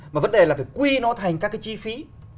mà vấn đề là phải quy nó thành các cái chi phí